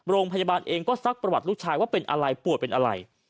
โรงพยาบาลเองก็ซักประวัติลูกชายว่าเป็นอะไรปวดเป็นอะไร